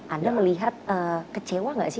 anda melihat kecewa nggak sih